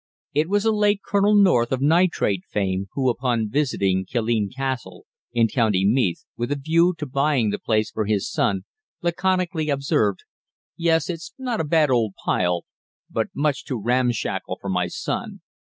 It was the late Colonel North, of nitrate fame, who, upon visiting Killeen Castle, in County Meath, with a view to buying the place for his son, laconically observed: "Yes, it's not a bad old pile, but much too ramshackle for my son.